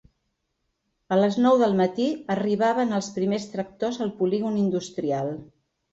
A les nou del matí arribaven els primers tractors al polígon industrial.